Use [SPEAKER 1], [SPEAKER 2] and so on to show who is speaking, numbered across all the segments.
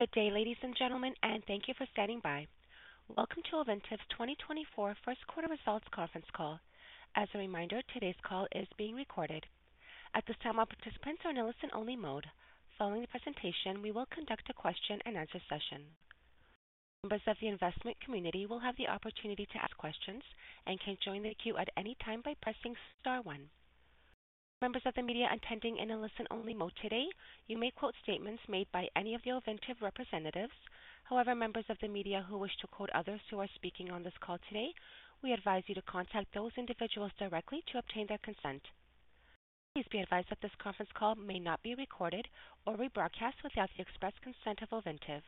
[SPEAKER 1] Good day, ladies and gentlemen, and thank you for standing by. Welcome to Ovintiv's 2024 first quarter results conference call. As a reminder, today's call is being recorded. At this time, all participants are in a listen-only mode. Following the presentation, we will conduct a question-and-answer session. Members of the investment community will have the opportunity to ask questions and can join the queue at any time by pressing star one. Members of the media attending in a listen-only mode today, you may quote statements made by any of the Ovintiv representatives. However, members of the media who wish to quote others who are speaking on this call today, we advise you to contact those individuals directly to obtain their consent. Please be advised that this conference call may not be recorded or rebroadcast without the express consent of Ovintiv.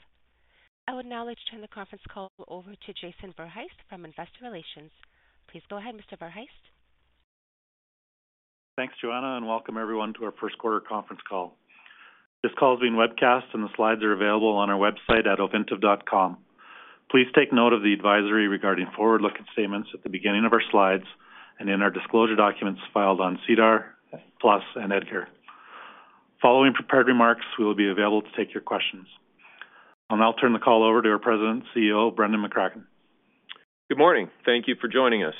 [SPEAKER 1] I would now like to turn the conference call over to Jason Verhaest from Investor Relations. Please go ahead, Mr. Verhaest.
[SPEAKER 2] Thanks, Joanna, and welcome everyone to our first quarter conference call. This call is being webcast, and the slides are available on our website at ovintiv.com. Please take note of the advisory regarding forward-looking statements at the beginning of our slides and in our disclosure documents filed on SEDAR+ and EDGAR. Following prepared remarks, we will be available to take your questions. I'll now turn the call over to our President and CEO, Brendan McCracken.
[SPEAKER 3] Good morning. Thank you for joining us.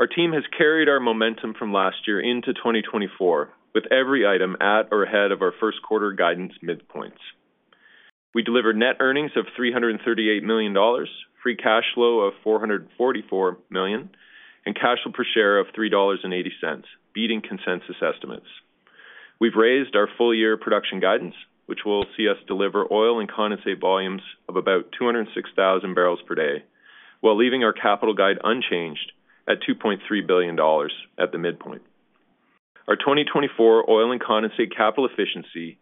[SPEAKER 3] Our team has carried our momentum from last year into 2024, with every item at or ahead of our first quarter guidance midpoints. We delivered net earnings of $338 million, free cash flow of $444 million, and cash flow per share of $3.80, beating consensus estimates. We've raised our full-year production guidance, which will see us deliver oil and condensate volumes of about 206,000 barrels per day, while leaving our capital guide unchanged at $2.3 billion at the midpoint. Our 2024 oil and condensate capital efficiency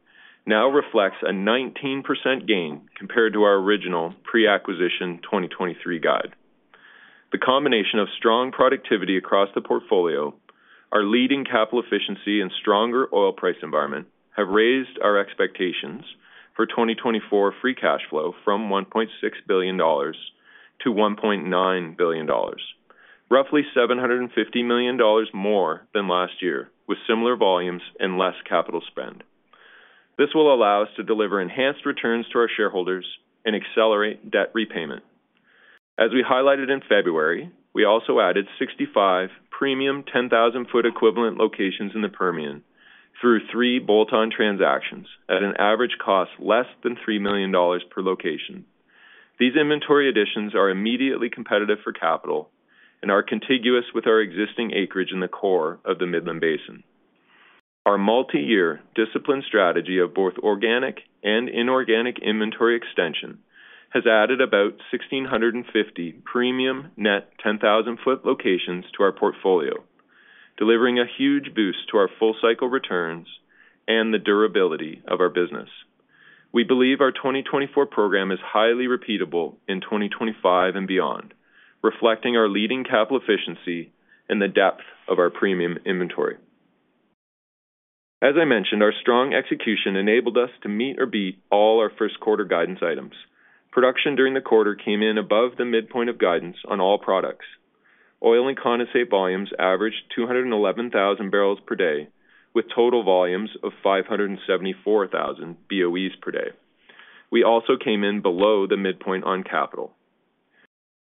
[SPEAKER 3] now reflects a 19% gain compared to our original pre-acquisition 2023 guide. The combination of strong productivity across the portfolio, our leading capital efficiency, and stronger oil price environment have raised our expectations for 2024 free cash flow from $1.6 billion to $1.9 billion, roughly $750 million more than last year, with similar volumes and less capital spend. This will allow us to deliver enhanced returns to our shareholders and accelerate debt repayment. As we highlighted in February, we also added 65 premium 10,000-foot equivalent locations in the Permian through three bolt-on transactions at an average cost less than $3 million per location. These inventory additions are immediately competitive for capital and are contiguous with our existing acreage in the core of the Midland Basin. Our multi-year discipline strategy of both organic and inorganic inventory extension has added about 1,650 premium net 10,000-foot locations to our portfolio, delivering a huge boost to our full cycle returns and the durability of our business. We believe our 2024 program is highly repeatable in 2025 and beyond, reflecting our leading capital efficiency and the depth of our premium inventory. As I mentioned, our strong execution enabled us to meet or beat all our first quarter guidance items. Production during the quarter came in above the midpoint of guidance on all products. Oil and condensate volumes averaged 211,000 barrels per day, with total volumes of 574,000 BOEs per day. We also came in below the midpoint on capital.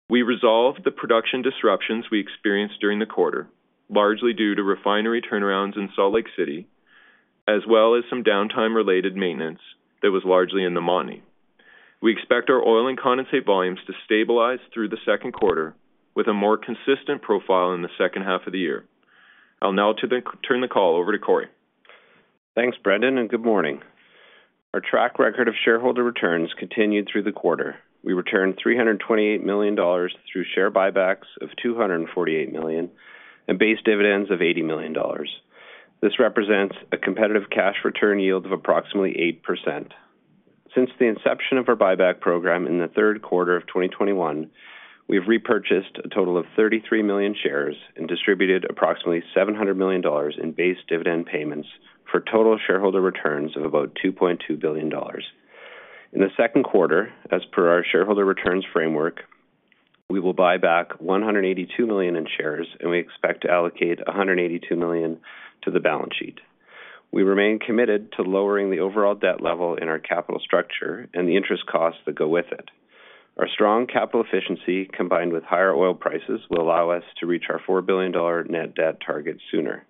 [SPEAKER 3] We resolved the production disruptions we experienced during the quarter, largely due to refinery turnarounds in Salt Lake City, as well as some downtime-related maintenance that was largely in Montney. We expect our oil and condensate volumes to stabilize through the second quarter, with a more consistent profile in the second half of the year. I'll now turn the call over to Corey.
[SPEAKER 4] Thanks, Brendan, and good morning. Our track record of shareholder returns continued through the quarter. We returned $328 million through share buybacks of $248 million and base dividends of $80 million. This represents a competitive cash return yield of approximately 8%. Since the inception of our buyback program in the third quarter of 2021, we have repurchased a total of 33 million shares and distributed approximately $700 million in base dividend payments for total shareholder returns of about $2.2 billion. In the second quarter, as per our shareholder returns framework, we will buy back $182 million in shares, and we expect to allocate $182 million to the balance sheet. We remain committed to lowering the overall debt level in our capital structure and the interest costs that go with it. Our strong capital efficiency, combined with higher oil prices, will allow us to reach our $4 billion net debt target sooner.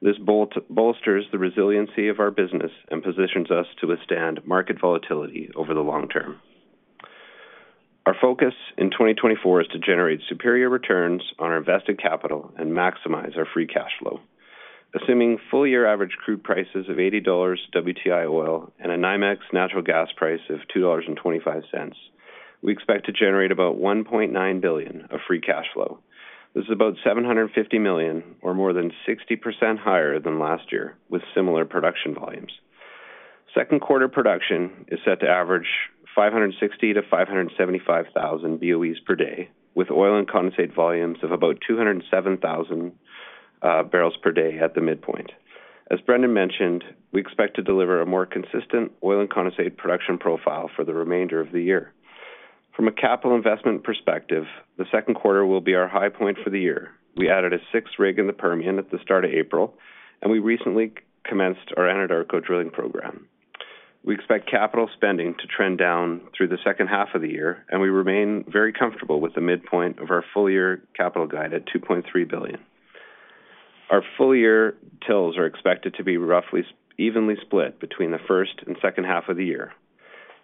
[SPEAKER 4] This bolsters the resiliency of our business and positions us to withstand market volatility over the long term. Our focus in 2024 is to generate superior returns on our invested capital and maximize our free cash flow. Assuming full-year average crude prices of $80 WTI oil and a NYMEX natural gas price of $2.25, we expect to generate about $1.9 billion of free cash flow. This is about $750 million, or more than 60% higher than last year, with similar production volumes. Second quarter production is set to average 560-575 thousand BOEs per day, with oil and condensate volumes of about 207 thousand barrels per day at the midpoint. As Brendan mentioned, we expect to deliver a more consistent oil and condensate production profile for the remainder of the year. From a capital investment perspective, the second quarter will be our high point for the year. We added a sixth rig in the Permian at the start of April, and we recently commenced our Anadarko drilling program. We expect capital spending to trend down through the second half of the year, and we remain very comfortable with the midpoint of our full-year capital guide at $2.3 billion. Our full-year capex is expected to be roughly evenly split between the first and second half of the year.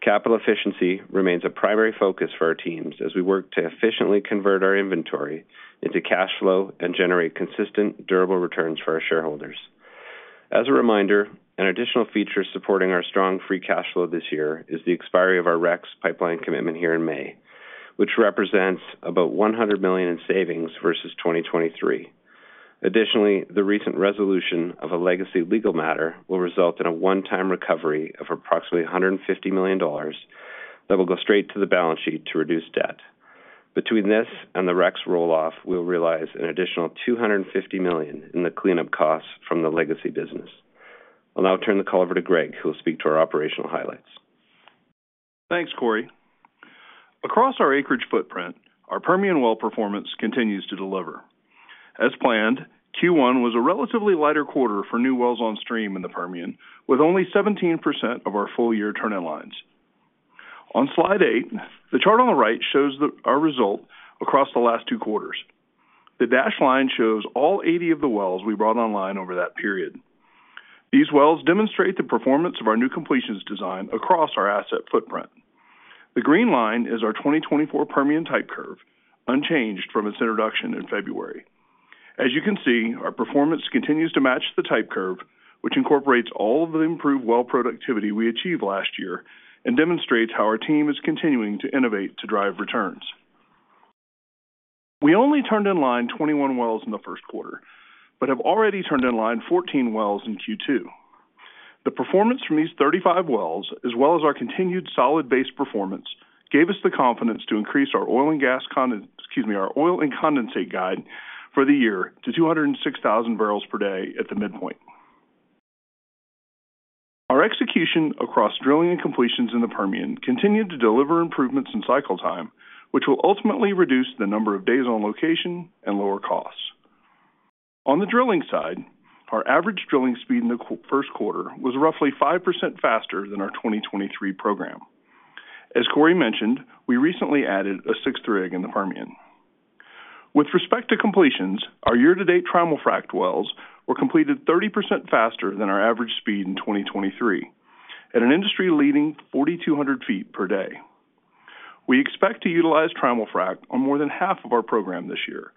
[SPEAKER 4] Capital efficiency remains a primary focus for our teams as we work to efficiently convert our inventory into cash flow and generate consistent, durable returns for our shareholders. As a reminder, an additional feature supporting our strong free cash flow this year is the expiry of our REX pipeline commitment here in May, which represents about $100 million in savings versus 2023. Additionally, the recent resolution of a legacy legal matter will result in a one-time recovery of approximately $150 million that will go straight to the balance sheet to reduce debt. Between this and the REX roll-off, we'll realize an additional $250 million in the cleanup costs from the legacy business. I'll now turn the call over to Greg, who will speak to our operational highlights.
[SPEAKER 5] Thanks, Corey. Across our acreage footprint, our Permian well performance continues to deliver. As planned, Q1 was a relatively lighter quarter for new wells on stream in the Permian, with only 17% of our full-year turn-in lines. On slide 8, the chart on the right shows our result across the last two quarters. The dashed line shows all 80 of the wells we brought online over that period. These wells demonstrate the performance of our new completions design across our asset footprint. The green line is our 2024 Permian type curve, unchanged from its introduction in February. As you can see, our performance continues to match the type curve, which incorporates all of the improved well productivity we achieved last year and demonstrates how our team is continuing to innovate to drive returns. We only turned in line 21 wells in the first quarter, but have already turned in line 14 wells in Q2. The performance from these 35 wells, as well as our continued solid base performance, gave us the confidence to increase our oil and gas con-- excuse me, our oil and condensate guide for the year to 206,000 barrels per day at the midpoint. Our execution across drilling and completions in the Permian continued to deliver improvements in cycle time, which will ultimately reduce the number of days on location and lower costs. On the drilling side, our average drilling speed in the first quarter was roughly 5% faster than our 2023 program. As Corey mentioned, we recently added a sixth rig in the Permian. With respect to completions, our year-to-date Trimul-Frac wells were completed 30% faster than our average speed in 2023, at an industry-leading 4,200 feet per day. We expect to utilize Trimul-Frac on more than half of our program this year.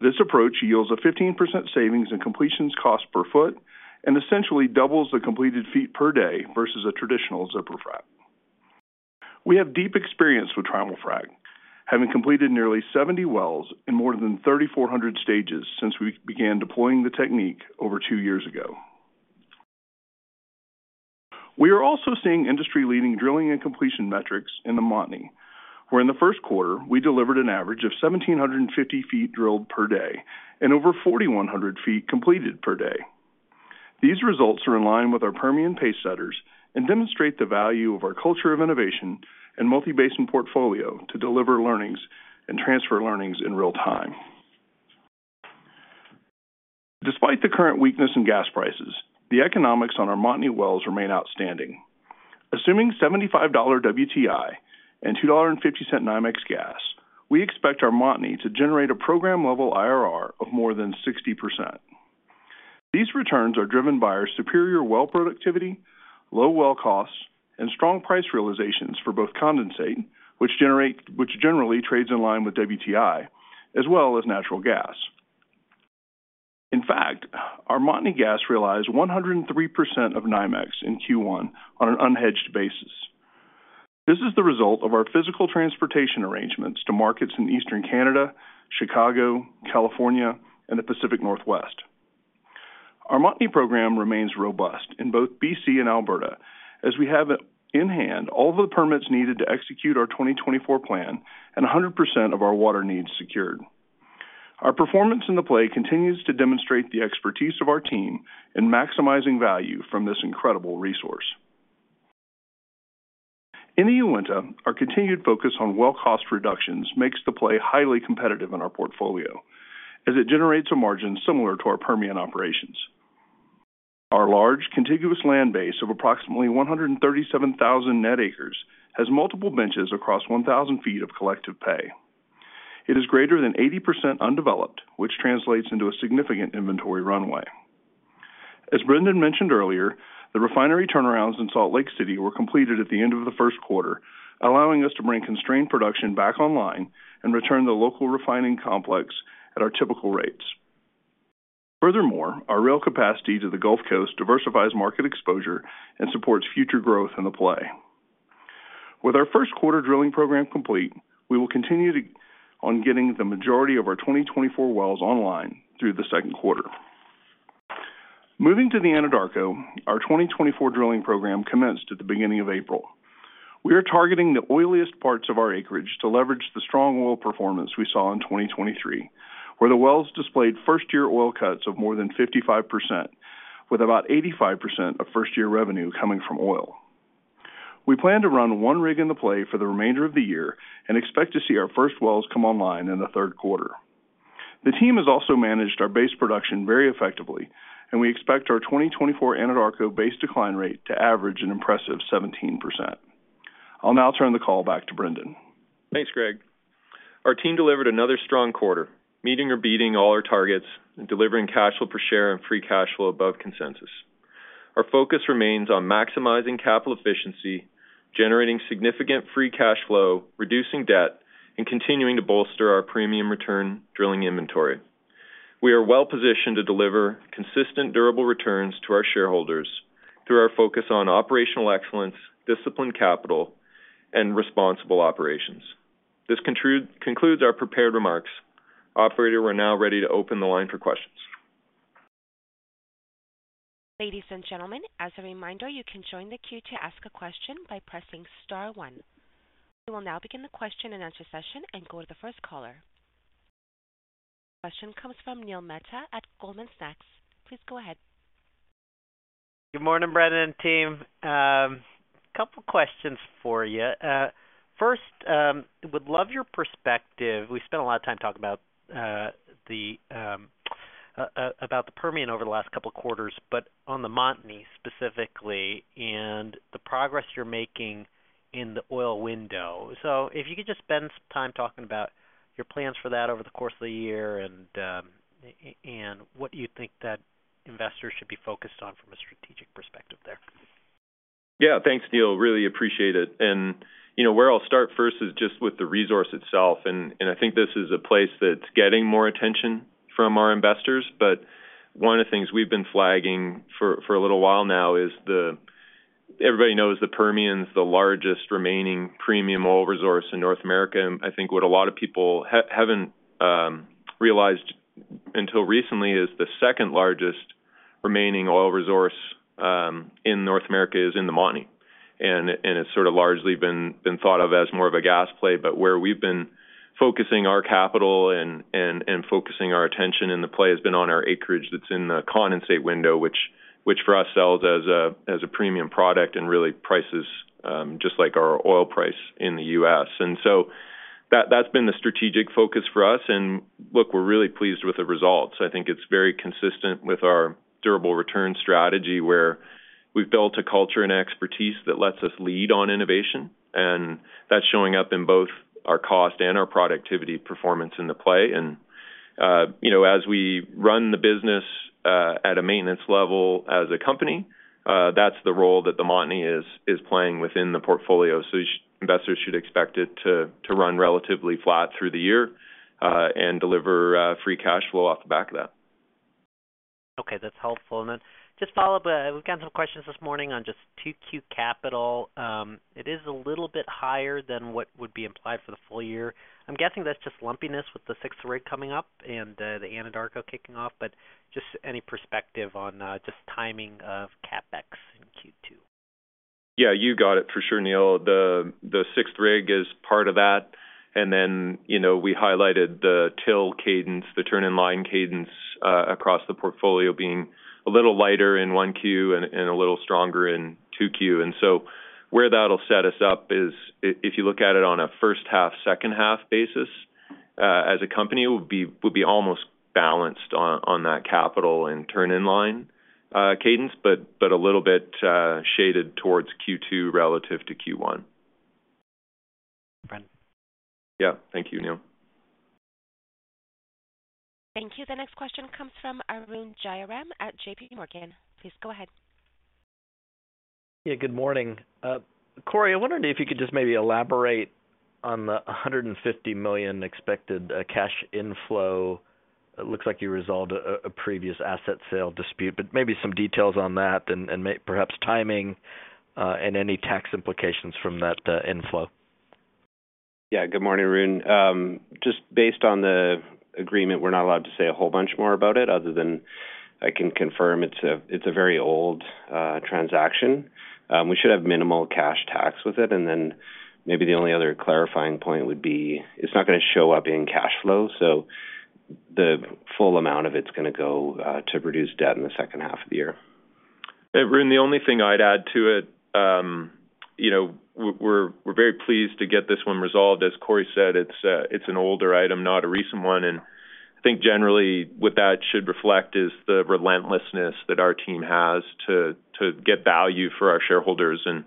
[SPEAKER 5] This approach yields a 15% savings in completions cost per foot and essentially doubles the completed feet per day versus a traditional zipper frac. We have deep experience with Trimul-Frac, having completed nearly 70 wells in more than 3,400 stages since we began deploying the technique over two years ago. We are also seeing industry-leading drilling and completion metrics in the Montney, where in the first quarter, we delivered an average of 1,750 feet drilled per day and over 4,100 feet completed per day. These results are in line with our Permian pacesetters and demonstrate the value of our culture of innovation and multi-basin portfolio to deliver learnings and transfer learnings in real time. Despite the current weakness in gas prices, the economics on our Montney wells remain outstanding. Assuming $75 WTI and $2.50 NYMEX gas, we expect our Montney to generate a program-level IRR of more than 60%. These returns are driven by our superior well productivity, low well costs, and strong price realizations for both condensate, which generally trades in line with WTI, as well as natural gas. In fact, our Montney gas realized 103% of NYMEX in Q1 on an unhedged basis. This is the result of our physical transportation arrangements to markets in Eastern Canada, Chicago, California, and the Pacific Northwest. Our Montney program remains robust in both BC and Alberta, as we have in hand all the permits needed to execute our 2024 plan and 100% of our water needs secured. Our performance in the play continues to demonstrate the expertise of our team in maximizing value from this incredible resource. In the Uinta, our continued focus on well cost reductions makes the play highly competitive in our portfolio, as it generates a margin similar to our Permian operations. Our large contiguous land base of approximately 137,000 net acres has multiple benches across 1,000 feet of collective pay. It is greater than 80% undeveloped, which translates into a significant inventory runway. As Brendan mentioned earlier, the refinery turnarounds in Salt Lake City were completed at the end of the first quarter, allowing us to bring constrained production back online and return the local refining complex at our typical rates. Furthermore, our rail capacity to the Gulf Coast diversifies market exposure and supports future growth in the play. With our first quarter drilling program complete, we will continue on getting the majority of our 2024 wells online through the second quarter. Moving to the Anadarko, our 2024 drilling program commenced at the beginning of April. We are targeting the oiliest parts of our acreage to leverage the strong oil performance we saw in 2023, where the wells displayed first-year oil cuts of more than 55%. ...with about 85% of first-year revenue coming from oil. We plan to run one rig in the play for the remainder of the year and expect to see our first wells come online in the third quarter. The team has also managed our base production very effectively, and we expect our 2024 Anadarko base decline rate to average an impressive 17%. I'll now turn the call back to Brendan.
[SPEAKER 3] Thanks, Greg. Our team delivered another strong quarter, meeting or beating all our targets and delivering cash flow per share and free cash flow above consensus. Our focus remains on maximizing capital efficiency, generating significant free cash flow, reducing debt, and continuing to bolster our premium return drilling inventory. We are well-positioned to deliver consistent, durable returns to our shareholders through our focus on operational excellence, disciplined capital, and responsible operations. This concludes our prepared remarks. Operator, we're now ready to open the line for questions.
[SPEAKER 1] Ladies and gentlemen, as a reminder, you can join the queue to ask a question by pressing star one. We will now begin the question-and-answer session and go to the first caller. The question comes from Neil Mehta at Goldman Sachs. Please go ahead.
[SPEAKER 6] Good morning, Brendan and team. Couple questions for you. First, would love your perspective. We spent a lot of time talking about the Permian over the last couple of quarters, but on the Montney, specifically, and the progress you're making in the oil window. So if you could just spend some time talking about your plans for that over the course of the year and what you think that investors should be focused on from a strategic perspective there.
[SPEAKER 3] Yeah, thanks, Neil. Really appreciate it. You know, where I'll start first is just with the resource itself, and I think this is a place that's getting more attention from our investors. But one of the things we've been flagging for a little while now is, everybody knows the Permian's the largest remaining premium oil resource in North America, and I think what a lot of people haven't realized until recently is the second largest remaining oil resource in North America is in the Montney. It's sort of largely been thought of as more of a gas play, but where we've been focusing our capital and focusing our attention in the play has been on our acreage that's in the condensate window, which for us sells as a premium product and really prices just like our oil price in the U.S. And so that's been the strategic focus for us, and look, we're really pleased with the results. I think it's very consistent with our durable return strategy, where we've built a culture and expertise that lets us lead on innovation, and that's showing up in both our cost and our productivity performance in the play. You know, as we run the business at a maintenance level as a company, that's the role that the Montney is playing within the portfolio. So investors should expect it to run relatively flat through the year and deliver free cash flow off the back of that.
[SPEAKER 6] Okay, that's helpful. And then just follow up, we've gotten some questions this morning on just 2Q CapEx. It is a little bit higher than what would be implied for the full year. I'm guessing that's just lumpiness with the sixth rig coming up and, the Anadarko kicking off, but just any perspective on, just timing of CapEx in Q2.
[SPEAKER 3] Yeah, you got it for sure, Neil. The sixth rig is part of that. And then, you know, we highlighted the TIL cadence, the turn-in-line cadence across the portfolio being a little lighter in one Q and a little stronger in two Q. And so where that'll set us up is if you look at it on a first half, second half basis, as a company, it would be almost balanced on that capital and turn-in-line cadence, but a little bit shaded towards Q2 relative to Q1.
[SPEAKER 6] Great.
[SPEAKER 3] Yeah. Thank you, Neil.
[SPEAKER 1] Thank you. The next question comes from Arun Jayaram at JPMorgan. Please go ahead.
[SPEAKER 7] Yeah, good morning. Corey, I wondered if you could just maybe elaborate on the expected $150 million cash inflow. It looks like you resolved a previous asset sale dispute, but maybe some details on that and perhaps timing, and any tax implications from that inflow.
[SPEAKER 4] Yeah. Good morning, Arun. Just based on the agreement, we're not allowed to say a whole bunch more about it other than I can confirm it's a, it's a very old transaction. We should have minimal cash tax with it, and then maybe the only other clarifying point would be, it's not gonna show up in cash flow, so the full amount of it's gonna go to reduce debt in the second half of the year.
[SPEAKER 3] Hey, Arun, the only thing I'd add to it, you know, we're, we're very pleased to get this one resolved. As Corey said, it's, it's an older item, not a recent one, and I think generally what that should reflect is the relentlessness that our team has to get value for our shareholders. And,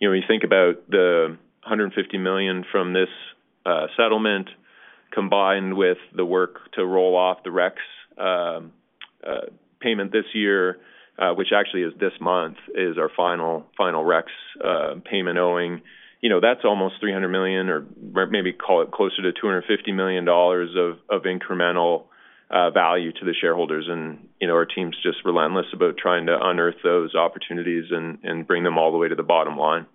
[SPEAKER 3] you know, when you think about the $150 million from this, settlement, combined with the work to roll off the REX payment this year, which actually is this month, is our final, final REX payment owing. You know, that's almost $300 million, or maybe call it closer to $250 million dollars of, incremental value to the shareholders. You know, our team's just relentless about trying to unearth those opportunities and bring them all the way to the bottom line.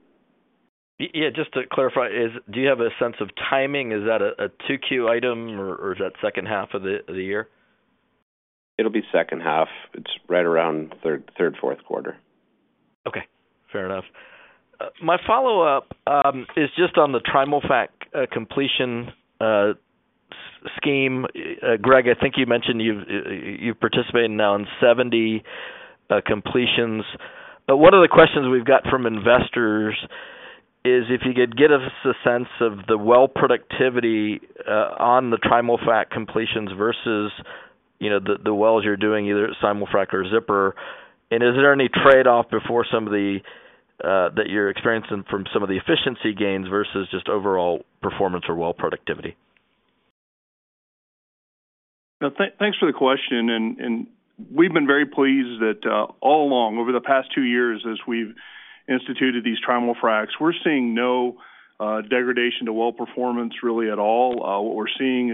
[SPEAKER 7] Yeah, just to clarify, do you have a sense of timing? Is that a 2Q item, or is that second half of the year?
[SPEAKER 4] It'll be second half. It's right around third, third, fourth quarter.
[SPEAKER 7] Okay, fair enough. My follow-up is just on the TriMoFact completion scheme. Greg, I think you mentioned you've participated now in 70 completions. But one of the questions we've got from investors is if you could give us a sense of the well productivity on the Trimul-Frac completions versus, you know, the wells you're doing, either Simul-Frac or zipper. And is there any trade-off before some of the that you're experiencing from some of the efficiency gains versus just overall performance or well productivity?
[SPEAKER 5] Well, thanks for the question, and we've been very pleased that all along, over the past two years, as we've instituted these Trimul-Fracs, we're seeing no degradation to well performance really at all. What we're seeing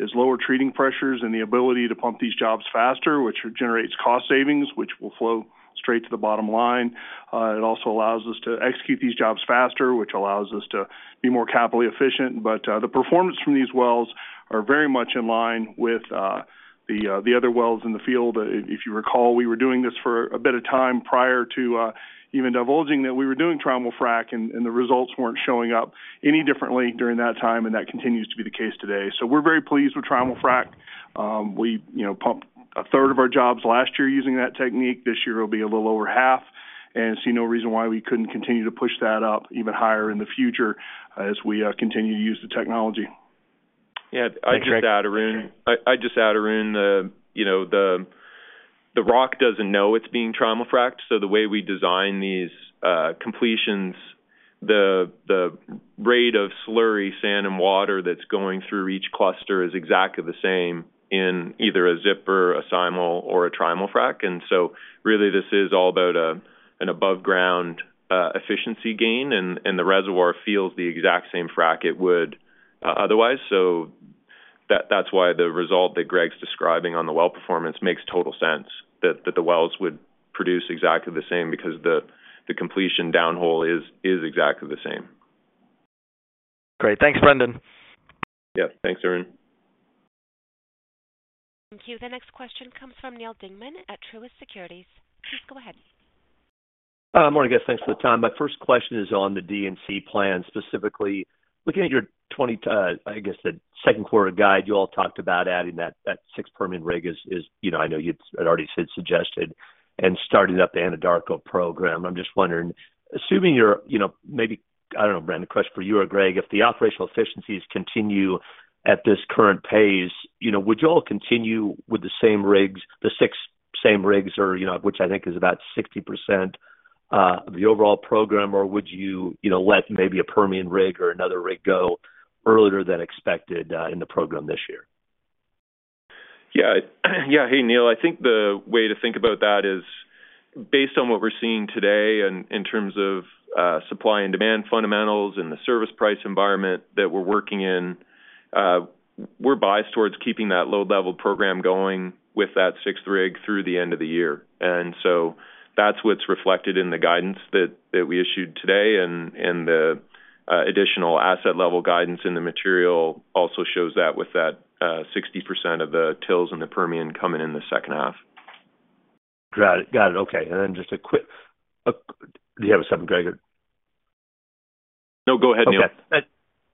[SPEAKER 5] is lower treating pressures and the ability to pump these jobs faster, which generates cost savings, which will flow straight to the bottom line. It also allows us to execute these jobs faster, which allows us to be more capitally efficient. But the performance from these wells are very much in line with the other wells in the field. If you recall, we were doing this for a bit of time prior to even divulging that we were doing Trimul-Frac, and the results weren't showing up any differently during that time, and that continues to be the case today. We're very pleased with Trimul-Frac. We, you know, pumped a third of our jobs last year using that technique. This year, it'll be a little over half, and see no reason why we couldn't continue to push that up even higher in the future as we continue to use the technology.
[SPEAKER 3] Yeah, I'd just add, Arun. I'd just add, Arun, you know, the rock doesn't know it's being Trimul-fracked, so the way we design these completions, the rate of slurry, sand, and water that's going through each cluster is exactly the same in either a zipper, a simul, or a Trimul-Frac. And so really, this is all about an aboveground efficiency gain, and the reservoir feels the exact same frac it would otherwise. So that's why the result that Greg's describing on the well performance makes total sense, that the wells would produce exactly the same, because the completion downhole is exactly the same.
[SPEAKER 8] Great. Thanks, Brendan.
[SPEAKER 3] Yep. Thanks, Arun.
[SPEAKER 1] Thank you. The next question comes from Neil Dingman at Truist Securities. Please go ahead.
[SPEAKER 9] Morning, guys. Thanks for the time. My first question is on the D&C plan, specifically looking at your 2024, I guess, the second quarter guide. You all talked about adding that sixth Permian rig. You know, I know you'd had already said-suggested and starting up the Anadarko program. I'm just wondering, assuming you're, you know, maybe, I don't know, Brendan, a question for you or Greg, if the operational efficiencies continue at this current pace, you know, would you all continue with the same rigs, the six same rigs, or, you know, which I think is about 60% of the overall program? Or would you, you know, let maybe a Permian rig or another rig go earlier than expected in the program this year?
[SPEAKER 3] Yeah. Yeah. Hey, Neil, I think the way to think about that is based on what we're seeing today and in terms of, supply and demand fundamentals and the service price environment that we're working in, we're biased towards keeping that low level program going with that sixth rig through the end of the year. And so that's what's reflected in the guidance that, that we issued today, and, and the, additional asset level guidance in the material also shows that, with that, 60% of the wells in the Permian coming in the second half.
[SPEAKER 9] Got it. Got it. Okay. And then just a quick... Do you have something, Greg?
[SPEAKER 5] No, go ahead, Neil.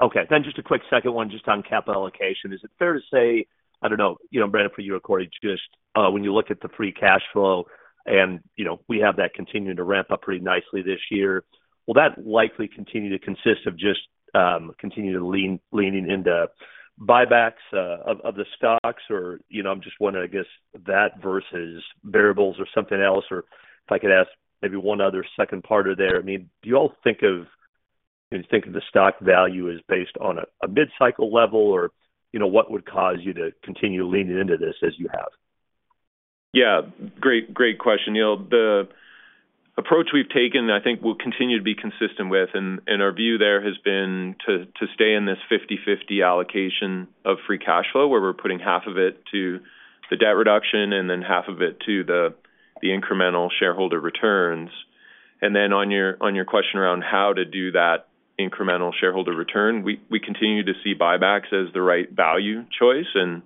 [SPEAKER 9] Okay. Then just a quick second one just on capital allocation. Is it fair to say, I don't know, you know, Brendan, for you or Corey, just, when you look at the free cash flow, and, you know, we have that continuing to ramp up pretty nicely this year, will that likely continue to consist of just, continue leaning into buybacks of the stocks? Or, you know, I'm just wondering, I guess, that versus variables or something else, or if I could ask maybe one other second part of there. I mean, do you all think of the stock value as based on a mid-cycle level, or, you know, what would cause you to continue leaning into this as you have?
[SPEAKER 3] Yeah. Great, great question, Neil. The approach we've taken, I think, we'll continue to be consistent with, and our view there has been to stay in this 50/50 allocation of free cash flow, where we're putting half of it to the debt reduction and then half of it to the incremental shareholder returns. And then on your question around how to do that incremental shareholder return, we continue to see buybacks as the right value choice, and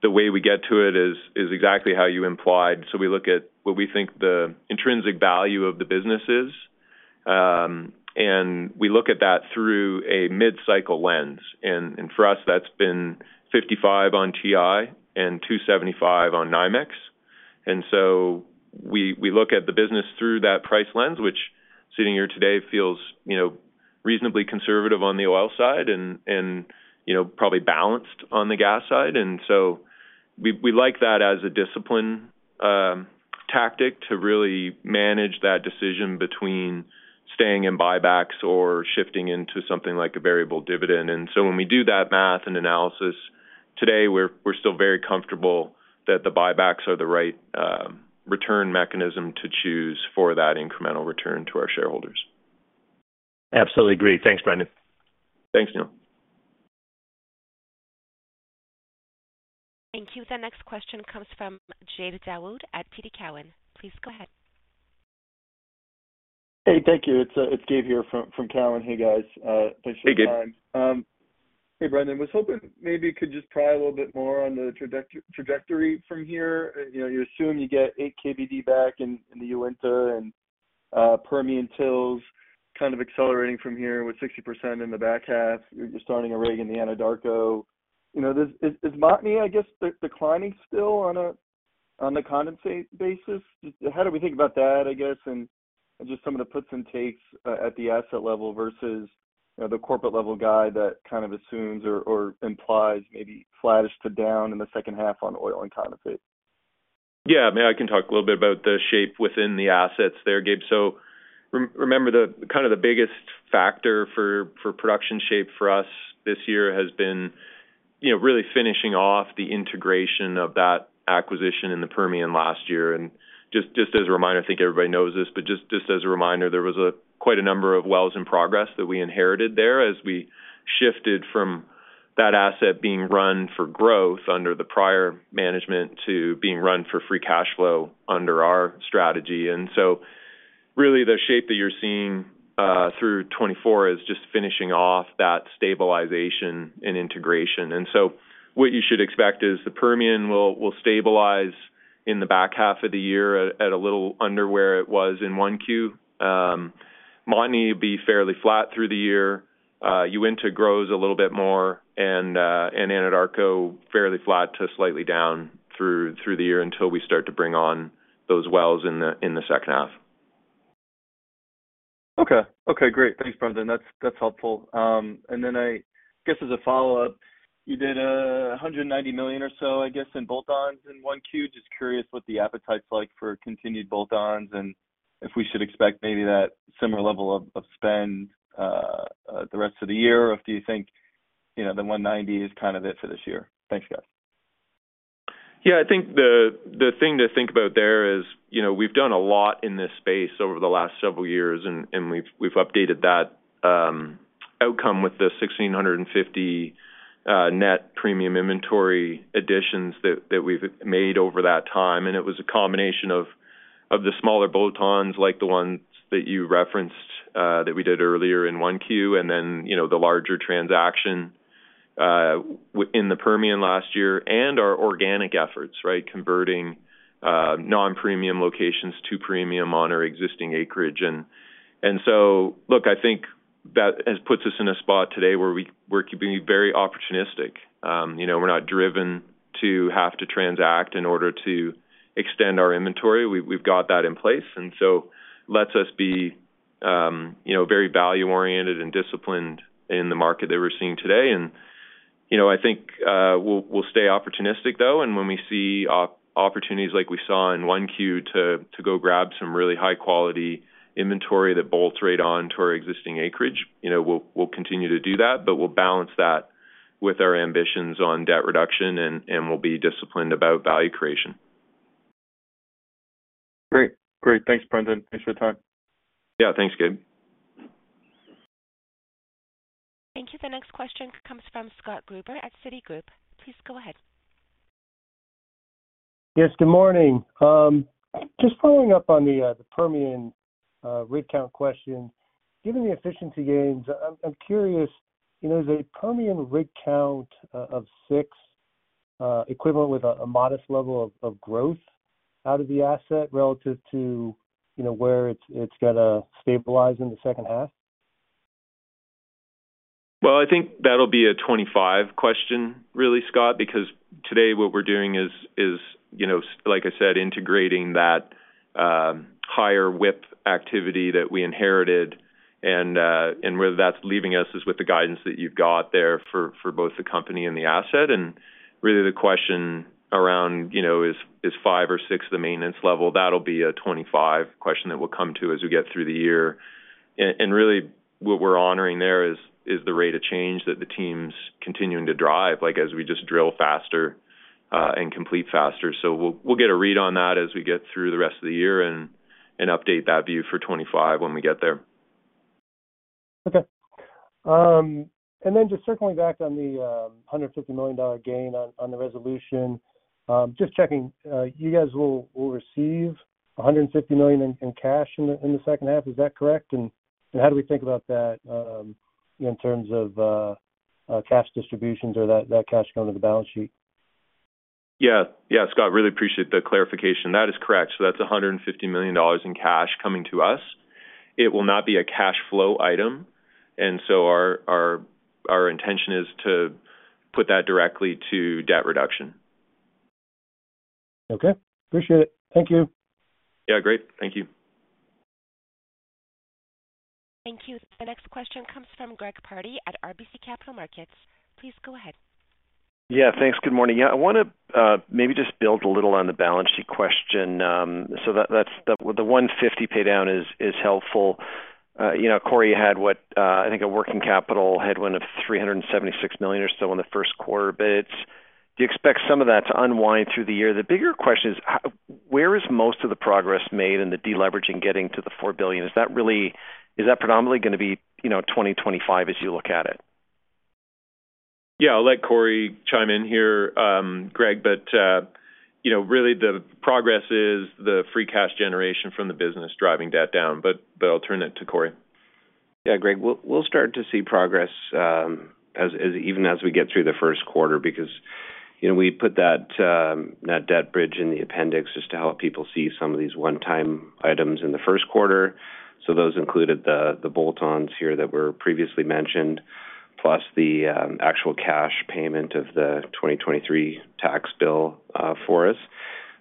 [SPEAKER 3] the way we get to it is exactly how you implied. So we look at what we think the intrinsic value of the business is, and we look at that through a mid-cycle lens. And for us, that's been 55 on WTI and 275 on NYMEX. And so we look at the business through that price lens, which, sitting here today, feels, you know, reasonably conservative on the oil side and, you know, probably balanced on the gas side. And so we like that as a discipline tactic to really manage that decision between staying in buybacks or shifting into something like a variable dividend. And so when we do that math and analysis, today, we're still very comfortable that the buybacks are the right return mechanism to choose for that incremental return to our shareholders.
[SPEAKER 9] Absolutely agree. Thanks, Brendan.
[SPEAKER 3] Thanks, Neil.
[SPEAKER 1] Thank you. The next question comes from Gabe Daoud at TD Cowen. Please go ahead.
[SPEAKER 7] Hey, thank you. It's Gabe here from Cowen. Hey, guys, thanks for your time.
[SPEAKER 3] Hey, Gabe.
[SPEAKER 10] Hey, Brendan. I was hoping maybe you could just pry a little bit more on the trajectory from here. You know, you assume you get 8 KBD back in the winter, and-... Permian wells kind of accelerating from here, with 60% in the back half. You're starting a rig in the Anadarko. You know, is Montney, I guess, declining still on the condensate basis? How do we think about that, I guess? And just some of the puts and takes at the asset level versus, you know, the corporate level that kind of assumes or implies maybe flattish to down in the second half on oil and condensate.
[SPEAKER 3] Yeah, I mean, I can talk a little bit about the shape within the assets there, Gabe. So remember, the kind of the biggest factor for, for production shape for us this year has been, you know, really finishing off the integration of that acquisition in the Permian last year. And just, just as a reminder, I think everybody knows this, but just, just as a reminder, there was quite a number of wells in progress that we inherited there as we shifted from that asset being run for growth under the prior management to being run for free cash flow under our strategy. And so really, the shape that you're seeing through 2024 is just finishing off that stabilization and integration. What you should expect is the Permian will stabilize in the back half of the year at a little under where it was in 1Q. Montney be fairly flat through the year. Uinta grows a little bit more, and Anadarko fairly flat to slightly down through the year until we start to bring on those wells in the second half.
[SPEAKER 10] Okay. Okay, great. Thanks, Brendan. That's, that's helpful. And then I guess, as a follow-up, you did a hundred and ninety million or so, I guess, in bolt-ons in one Q. Just curious what the appetite's like for continued bolt-ons, and if we should expect maybe that similar level of spend the rest of the year, or do you think, you know, the one ninety is kind of it for this year? Thanks, guys.
[SPEAKER 3] Yeah, I think the thing to think about there is, you know, we've done a lot in this space over the last several years, and we've updated that outcome with the 1,650 net premium inventory additions that we've made over that time. And it was a combination of the smaller bolt-ons, like the ones that you referenced, that we did earlier in 1Q, and then, you know, the larger transaction in the Permian last year, and our organic efforts, right? Converting non-premium locations to premium on our existing acreage. And so look, I think that has puts us in a spot today where we're keeping it very opportunistic. You know, we're not driven to have to transact in order to extend our inventory. We've got that in place, and so let's us be, you know, very value-oriented and disciplined in the market that we're seeing today. And, you know, I think, we'll stay opportunistic, though, and when we see opportunities like we saw in 1Q22, to go grab some really high-quality inventory that bolts right on to our existing acreage, you know, we'll continue to do that, but we'll balance that with our ambitions on debt reduction, and we'll be disciplined about value creation.
[SPEAKER 10] Great. Great. Thanks, Brendan. Thanks for your time.
[SPEAKER 3] Yeah, thanks, Gabe.
[SPEAKER 1] Thank you. The next question comes from Scott Gruber at Citigroup. Please go ahead.
[SPEAKER 11] Yes, good morning. Just following up on the Permian rig count question. Given the efficiency gains, I'm curious, you know, is a Permian rig count of 6 equivalent with a modest level of growth out of the asset relative to, you know, where it's gonna stabilize in the second half?
[SPEAKER 3] Well, I think that'll be a 25 question, really, Scott, because today what we're doing is, you know, like I said, integrating that higher whip activity that we inherited. And where that's leaving us is with the guidance that you've got there for both the company and the asset. And really, the question around, you know, is five or six the maintenance level? That'll be a 25 question that we'll come to as we get through the year. And really, what we're honoring there is the rate of change that the team's continuing to drive, like, as we just drill faster and complete faster. So we'll get a read on that as we get through the rest of the year and update that view for 25 when we get there.
[SPEAKER 11] Okay. And then just circling back on the $150 million gain on the resolution. Just checking, you guys will receive $150 million in cash in the second half. Is that correct? And how do we think about that in terms of cash distributions or that cash coming to the balance sheet?
[SPEAKER 3] Yeah. Yeah, Scott, really appreciate the clarification. That is correct. So that's $150 million in cash coming to us. It will not be a cash flow item, and so our intention is to put that directly to debt reduction.
[SPEAKER 11] Okay, appreciate it. Thank you.
[SPEAKER 3] Yeah, great. Thank you.
[SPEAKER 1] Thank you. The next question comes from Greg Pardy at RBC Capital Markets. Please go ahead.
[SPEAKER 12] Yeah, thanks. Good morning. I wanna maybe just build a little on the balance sheet question. So that's the $150 pay down is helpful. You know, Corey, you had what? I think a working capital headwind of $376 million or so in the first quarter, but do you expect some of that to unwind through the year? The bigger question is: how, where is most of the progress made in the deleveraging getting to the $4 billion? Is that really is that predominantly gonna be, you know, 2025 as you look at it?
[SPEAKER 3] Yeah, I'll let Corey chime in here, Greg, but, you know, really the progress is the free cash generation from the business driving debt down. But, but I'll turn it to Corey. Yeah, Greg, we'll start to see progress, as even as we get through the first quarter, because, you know, we put that debt bridge in the appendix just to help people see some of these one-time items in the first quarter. So those included the bolt-ons here that were previously mentioned, plus the actual cash payment of the 2023 tax bill, for us.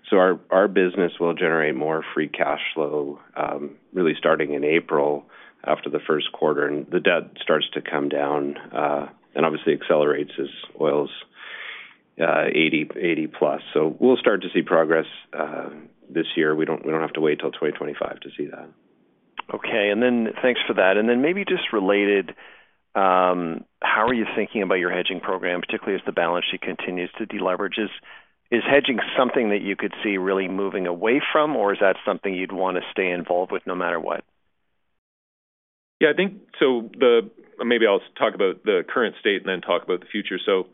[SPEAKER 3] So our business will generate more free cash flow, really starting in April, after the first quarter, and the debt starts to come down, and obviously accelerates as oil's $80+. So we'll start to see progress, this year. We don't, we don't have to wait till 2025 to see that.
[SPEAKER 12] Okay. And then thanks for that. And then maybe just related, how are you thinking about your hedging program, particularly as the balance sheet continues to deleverage? Is hedging something that you could see really moving away from, or is that something you'd want to stay involved with no matter what?
[SPEAKER 3] Yeah, I think so the... Maybe I'll talk about the current state and then talk about the future. So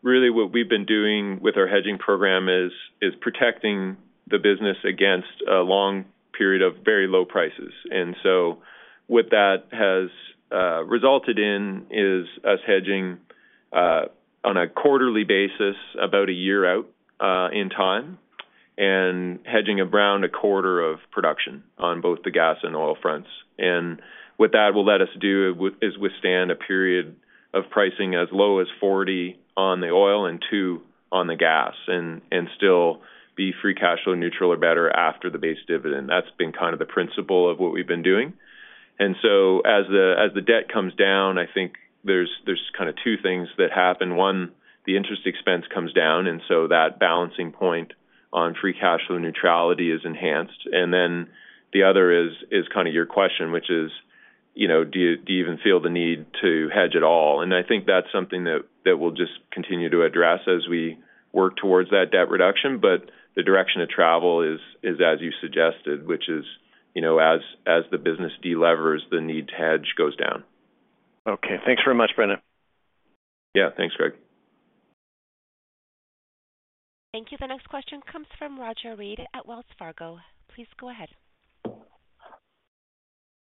[SPEAKER 3] really what we've been doing with our hedging program is protecting the business against a long period of very low prices. And so what that has resulted in is us hedging on a quarterly basis about a year out in time, and hedging around a quarter of production on both the gas and oil fronts. And what that will let us do is withstand a period of pricing as low as $40 on the oil and $2 on the gas, and still be free cash flow neutral or better after the base dividend. That's been kind of the principle of what we've been doing. And so as the debt comes down, I think there's kind of two things that happen. One, the interest expense comes down, and so that balancing point on free cash flow neutrality is enhanced. Then the other is, is kind of your question, which is, you know, do you, do you even feel the need to hedge at all? I think that's something that, that we'll just continue to address as we work towards that debt reduction. But the direction of travel is, is as you suggested, which is, you know, as, as the business delevers, the need to hedge goes down.
[SPEAKER 12] Okay, thanks very much, Brendan.
[SPEAKER 3] Yeah. Thanks, Greg.
[SPEAKER 1] Thank you. The next question comes from Roger Read at Wells Fargo. Please go ahead.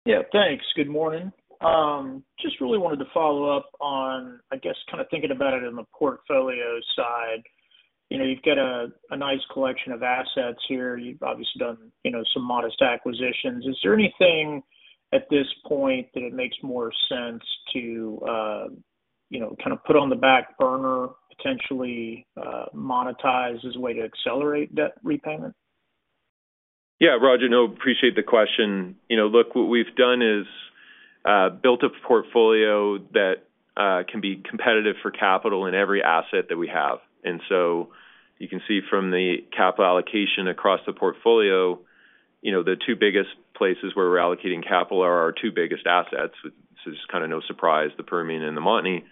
[SPEAKER 13] Yeah, thanks. Good morning. Just really wanted to follow up on, I guess, kind of thinking about it in the portfolio side. You know, you've got a nice collection of assets here. You've obviously done, you know, some modest acquisitions. Is there anything at this point that it makes more sense to, you know, kind of put on the back burner, potentially, monetize as a way to accelerate debt repayment?
[SPEAKER 3] Yeah, Roger, no, appreciate the question. You know, look, what we've done is, built a portfolio that, can be competitive for capital in every asset that we have. And so you can see from the capital allocation across the portfolio, you know, the two biggest places where we're allocating capital are our two biggest assets, which is kind of no surprise, the Permian and the Montney.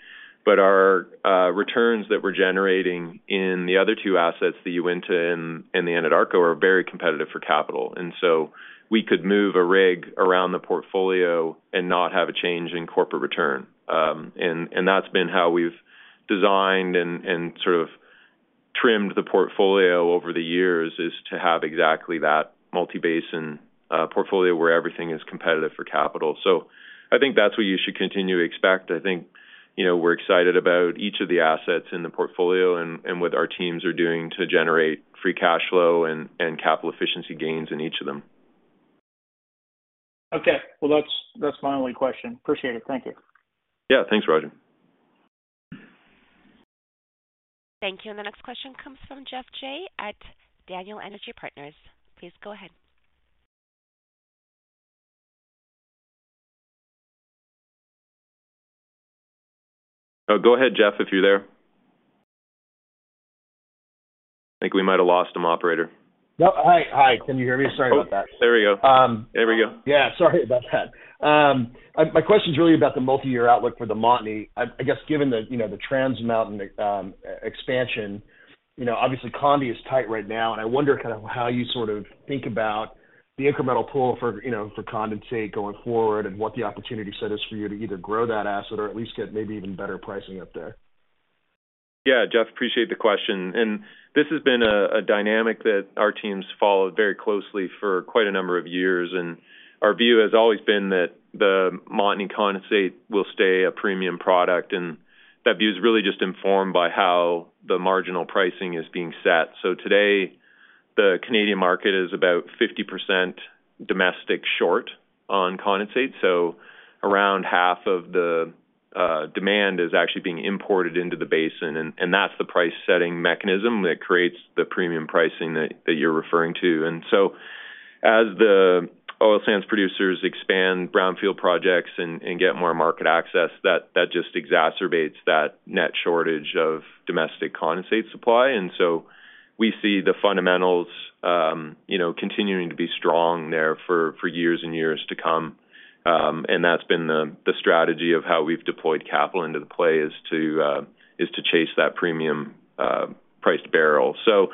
[SPEAKER 3] But our, returns that we're generating in the other two assets, the Uinta and the Anadarko, are very competitive for capital. And so we could move a rig around the portfolio and not have a change in corporate return. And that's been how we've designed and sort of trimmed the portfolio over the years, is to have exactly that multi-basin, portfolio where everything is competitive for capital. So I think that's what you should continue to expect. I think, you know, we're excited about each of the assets in the portfolio and, and what our teams are doing to generate free cash flow and, and capital efficiency gains in each of them.
[SPEAKER 13] Okay. Well, that's, that's my only question. Appreciate it. Thank you.
[SPEAKER 3] Yeah. Thanks, Roger.
[SPEAKER 1] Thank you. And the next question comes from Geoff Jay at Daniel Energy Partners. Please go ahead.
[SPEAKER 3] Oh, go ahead, Geoff, if you're there. I think we might have lost him, operator.
[SPEAKER 14] No. Hi, hi. Can you hear me? Sorry about that.
[SPEAKER 3] There we go.
[SPEAKER 14] Um-
[SPEAKER 3] There we go.
[SPEAKER 14] Yeah, sorry about that. My question is really about the multi-year outlook for the Montney. I guess given the, you know, the Trans Mountain expansion, you know, obviously, condensate is tight right now, and I wonder kind of how you sort of think about the incremental pull for, you know, for condensate going forward and what the opportunity set is for you to either grow that asset or at least get maybe even better pricing up there.
[SPEAKER 3] Yeah, Geoff, appreciate the question, and this has been a dynamic that our teams followed very closely for quite a number of years, and our view has always been that the Montney condensate will stay a premium product, and that view is really just informed by how the marginal pricing is being set. So today, the Canadian market is about 50% domestic short on condensate, so around half of the demand is actually being imported into the basin, and that's the price-setting mechanism that creates the premium pricing that you're referring to. And so as the oil sands producers expand brownfield projects and get more market access, that just exacerbates that net shortage of domestic condensate supply. And so we see the fundamentals, you know, continuing to be strong there for years and years to come. And that's been the, the strategy of how we've deployed capital into the play is to, is to chase that premium priced barrel. So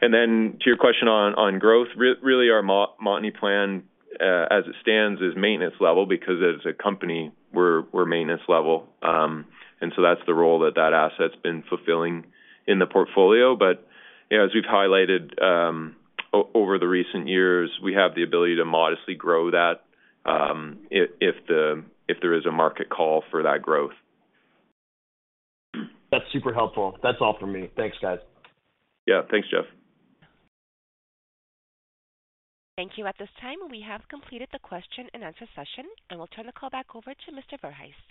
[SPEAKER 3] and then to your question on, on growth, really, our Montney plan, as it stands, is maintenance level, because as a company, we're, we're maintenance level. And so that's the role that that asset's been fulfilling in the portfolio. But, you know, as we've highlighted, over the recent years, we have the ability to modestly grow that, if, if the, if there is a market call for that growth.
[SPEAKER 14] That's super helpful. That's all for me. Thanks, guys.
[SPEAKER 3] Yeah. Thanks, Geoff.
[SPEAKER 1] Thank you. At this time, we have completed the question and answer session, and we'll turn the call back over to Mr. Verhaest.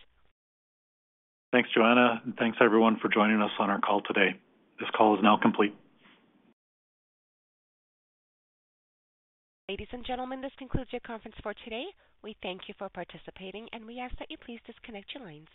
[SPEAKER 12] Thanks, Joanne. Thanks, everyone, for joining us on our call today. This call is now complete.
[SPEAKER 1] Ladies and gentlemen, this concludes your conference for today. We thank you for participating, and we ask that you please disconnect your lines.